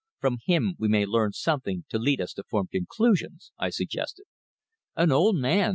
From him we may learn something to lead us to form conclusions," I suggested. "An old man!"